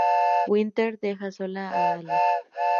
Winter deja sola a Ally.